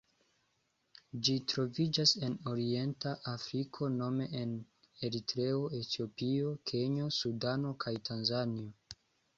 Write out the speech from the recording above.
Ĝi troviĝas en Orienta Afriko nome en Eritreo, Etiopio, Kenjo, Sudano kaj Tanzanio.